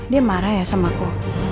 dia marah ya sama aku